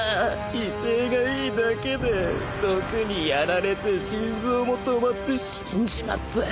威勢がいいだけで毒にやられて心臓も止まって死んじまった。